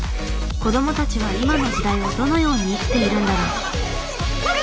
子どもたちは今の時代をどのように生きているんだろう。